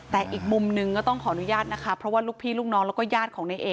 แต่อีกมุมหนึ่งก็ต้องขออนุญาตนะคะเพราะว่าลูกพี่ลูกน้องแล้วก็ญาติของในเอ